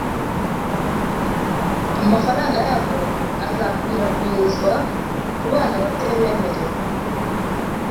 amafaranga yabo azakwirakwizwa kubana bake bemerewe